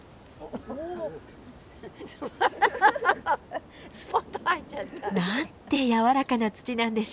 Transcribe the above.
ハハハハ。なんてやわらかな土なんでしょう！